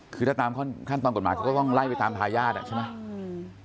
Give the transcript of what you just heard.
คือถ้าตามขั้นตอนกฎหมายเขาก็ต้องไล่ไปตามทายาทอ่ะใช่ไหม